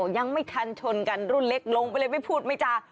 ยังไม่ทันชนกันรุ่นเล็กลงไปเลยไม่พูดไม่จา